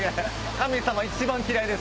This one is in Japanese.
神様一番嫌いです